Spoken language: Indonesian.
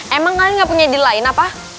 emang kalian nggak punya diri lain apa